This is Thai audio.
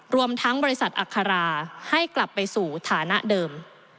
รวมทั้งบริษัทอัคราให้กลับไปสู่ฐานะเดิม